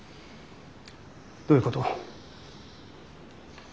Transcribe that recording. どういうこと？